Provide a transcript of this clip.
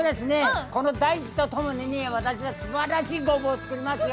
この大地と共に私はすばらしいごぼうを作りますよ！